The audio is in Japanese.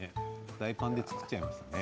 フライパンで作っちゃいましたね。